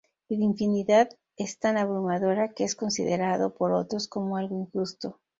Infinidad es tan abrumadora que es considerado por otros como algo injusto.